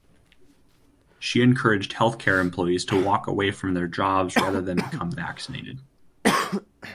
She encouraged healthcare employees to walk away from their jobs rather than become vaccinated.